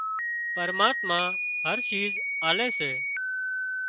پرماتما هر شِيز آلي سي